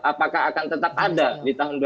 apakah akan tetap ada di tahun dua ribu dua puluh